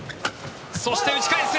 そして打ち返す。